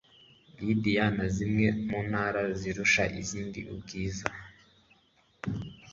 lidiya na zimwe mu ntara zirusha izindi ubwiza